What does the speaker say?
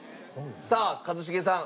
さあ一茂さん。